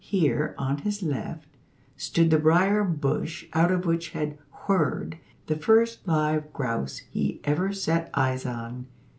Here, on his left, stood the briar bush out of which had whirred the first live grouse he ever set eyes on.